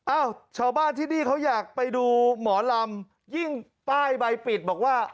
อ้าวชาวบ้านที่นี่เขาอยากไปดูหมอลำยิ่งป้ายใบปิดบอกว่า